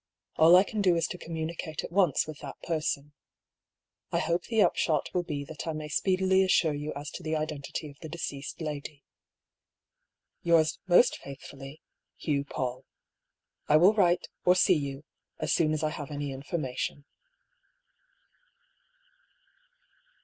All I can do is to communicate at once with that person. I hope the upshot will be that I may speedily assure you as to the identity of the deceased lady. Yours most faithfully, "Hugh Paull. •• I will write, or see you, as soon as I have any information."